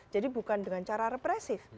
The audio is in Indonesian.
bukan dengan cara represif